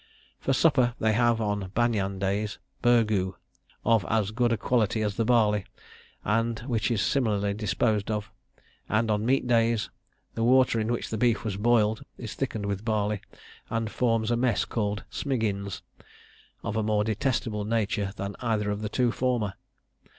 For supper, they have, on banyan days, burgoo, of as good a quality as the barley, and which is similarly disposed of; and on meat days, the water in which the beef was boiled is thickened with barley, and forms a mess called 'smiggins,' of a more detestable nature than either of the two former!